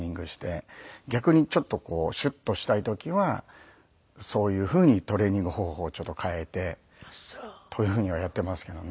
逆にちょっとシュッとしたい時はそういうふうにトレーニング方法をちょっと変えてというふうにはやっていますけどね。